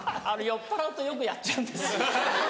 酔っぱらうとよくやっちゃうんです。